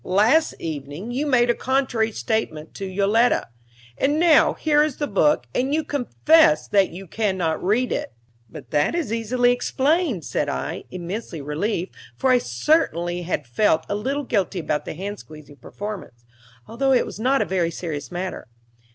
Last evening you made a contrary statement to Yoletta; and now here is the book, and you confess that you cannot read it." "But that is easily explained," said I, immensely relieved, for I certainly had felt a little guilty about the hand squeezing performance, although it was not a very serious matter.